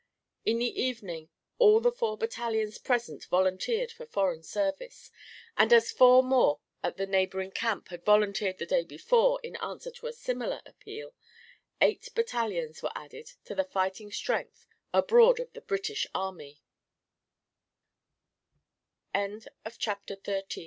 In the evening all the four battalions present volunteered for foreign service, and as four more at the neighbouring Camp had volunteered the day before in answer to a similar appeal, eight battalions were added to the fighting strength abroad of the British A